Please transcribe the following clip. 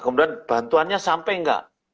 kemudian bantuannya sampai nggak